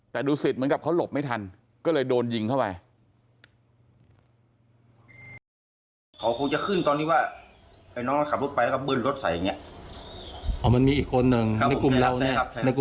แต่ดูสิตเหมือนกับเขาหลบไม่ทันก็เลยโดนยิงเข้าไป